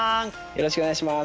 よろしくお願いします。